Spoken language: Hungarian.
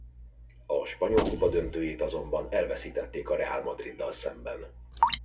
A spanyol kupa döntőjét azonban elveszítették a Real Madriddal szemben.